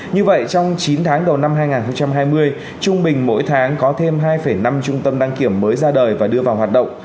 như vậy trong chín tháng đầu năm hai nghìn hai mươi trung bình mỗi tháng có thêm hai năm trung tâm đăng kiểm mới ra đời và đưa vào hoạt động